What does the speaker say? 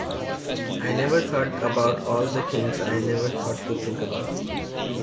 I never thought about all the things I never thought to think about.